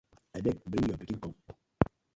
I beg bring yo pikin kom.